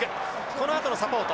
このあとのサポート。